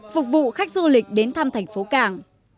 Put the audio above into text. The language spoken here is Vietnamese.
phục vụ khách du lịch đến thăm thành phố hải phòng